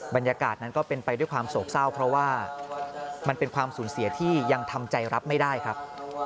บรรยากาศนั้นก็เป็นไปด้วยความโศกเศร้าเพราะว่ามันเป็นความสูญเสียที่ยังทำใจรับไม่ได้ครับ